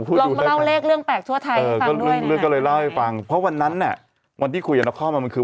พี่เพิ่งเห็นมั้ยพี่เห็นนานแล้ว